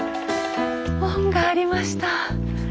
門がありました。